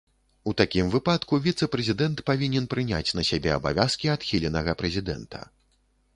У такім выпадку віцэ-прэзідэнт павінен прыняць на сябе абавязкі адхіленага прэзідэнта.